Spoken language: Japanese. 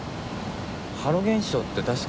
ハロ現象って確か。